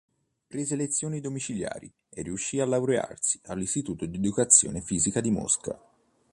Prese lezioni domiciliari e riuscì a laurearsi all'Istituto di educazione fisica di Mosca.